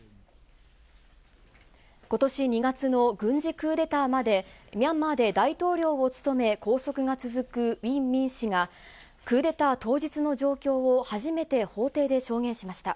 ことし２月の軍事クーデターまで、ミャンマーで大統領を務め、拘束が続くウィン・ミン氏が、クーデター当日の状況を、初めて法廷で証言しました。